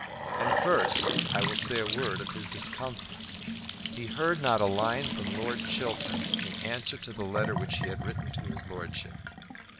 And, first, I will say a word of his discomfort. He heard not a line from Lord Chiltern in answer to the letter which he had written to his lordship.